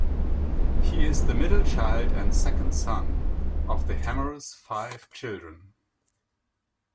He is the middle child and second son of the Hemmers' five children.